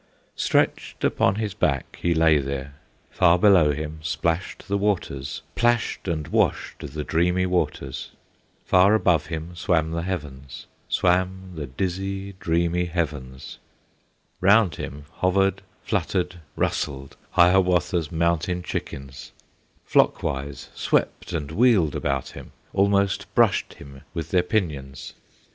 Stretched upon his back he lay there; Far below him splashed the waters, Plashed and washed the dreamy waters; Far above him swam the heavens, Swam the dizzy, dreamy heavens; Round him hovered, fluttered, rustled Hiawatha's mountain chickens, Flock wise swept and wheeled about him, Almost brushed him with their pinions.